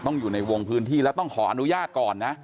อยู่ในวงพื้นที่แล้วต้องขออนุญาตก่อนนะ